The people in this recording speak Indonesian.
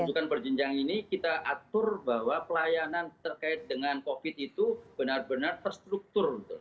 rujukan berjenjang ini kita atur bahwa pelayanan terkait dengan covid itu benar benar terstruktur